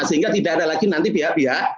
sehingga tidak ada lagi nanti pihak pihak